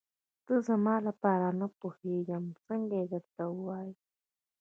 ته زما لپاره نه پوهېږم څنګه یې درته ووايم.